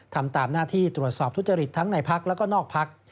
ทำตามหน้าที่ตรวจสอบทุจริตทั้งในพักแล้วก็นอกพัก